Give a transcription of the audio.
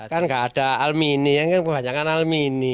kan nggak ada almini kan kebanyakan almini